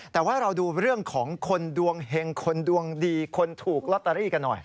แต่ว่าเราดูเรื่องของคนดวงเห็งคนดวงดีคนถูกลอตเตอรี่กันหน่อย